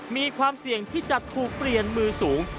มีความเสี่ยงที่จะถูกเปลี่ยนมือสูง